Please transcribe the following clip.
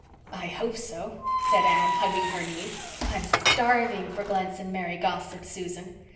"I hope so," said Anne, hugging her knees. "I'm starving for Glen St. Mary gossip, Susan.